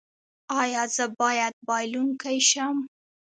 ایا زه باید بایلونکی شم؟